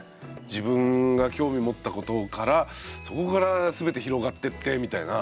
自分が興味持ったことからそこから全て広がってってみたいな。